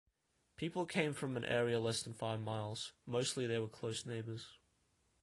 People came from an area less than five miles; mostly they were close neighbors.